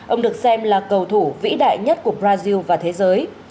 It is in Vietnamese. ông được xem là cầu thủ vĩ đại nhất của brazil và thế giới